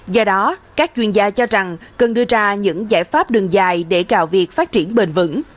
do đó các chuyên gia cho rằng cần đưa ra những giải pháp đường dài để gạo việc phát triển bền vững